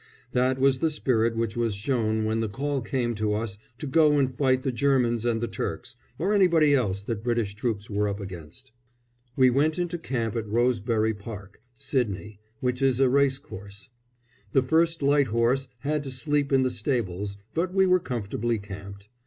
That was the spirit which was shown when the call came out to us to go and fight the Germans and the Turks, or anybody else that British troops were up against. [Illustration: To face p. 62. ANZACS AT SUVLA BAY.] We went into camp at Rosebery Park, Sydney, which is a racecourse. The 1st Light Horse had to sleep in the stables; but we were comfortably camped.